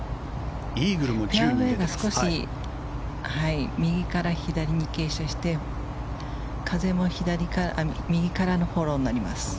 フェアウェーが少し右から左に傾斜して風も右からのフォローになります。